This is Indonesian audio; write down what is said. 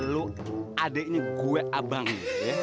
lu adeknya gue abang ya